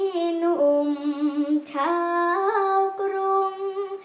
มีนุ่งช้าวกลุ้ง